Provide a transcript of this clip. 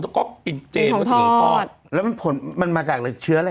แล้วก็กินเจนของทอดแล้วมันผลมันมาจากอะไรเชื้ออะไร